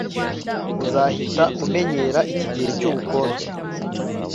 Uzahita umenyera iki gihe cyubukonje